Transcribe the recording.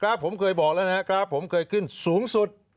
ครับผมเคยบอกแล้วนะครับผมเคยขึ้นสูงสุด